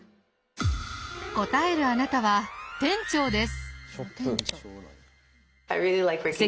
答えるあなたは店長です。